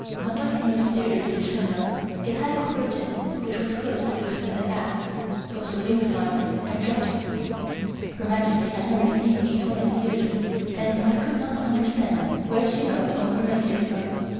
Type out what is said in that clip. Unlike most theatres in China, it had a curtain which was closed between the acts, also wing slides and drop scenes. Her Majesty had never seen a foreign theatre and I could not understand where she got all her ideas from.